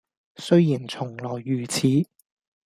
雖然從來如此，